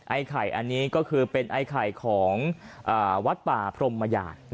ไข่อันนี้ก็คือเป็นไอ้ไข่ของวัดป่าพรมยาน